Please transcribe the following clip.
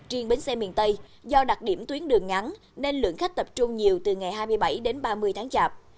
riêng bến xe miền tây do đặc điểm tuyến đường ngắn nên lượng khách tập trung nhiều từ ngày hai mươi bảy đến ba mươi tháng chạp